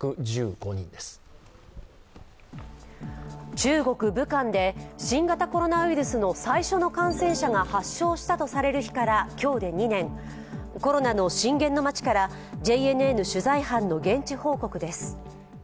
中国・武漢で新形コロナウイルスの最初の感染者が発症したとされる日から今日で２年、コロナの震源の街からＪＮＮ取材班の現地報告です。